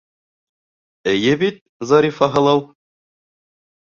Эйе бит, Зарифа һылыу?!